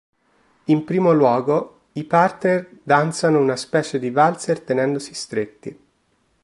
In primo luogo, i partner danzano una specie di valzer tenendosi stretti.